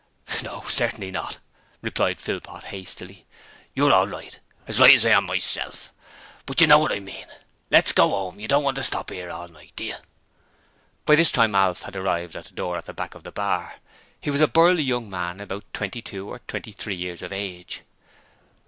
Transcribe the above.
'No. Certainly not,' replied Philpot, hastily. 'You're all right, as right as I am myself. But you know wot I mean. Let's go 'ome. You don't want to stop 'ere all night, do you?' By this time Alf had arrived at the door of the back of the bar. He was a burly young man about twenty two or twenty three years of age.